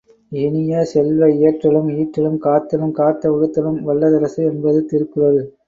இனிய செல்வ, இயற்றலும் ஈட்டலும் காத்தலும் காத்த வகுத்தலும் வல்ல தரசு என்பது திருக்குறள்!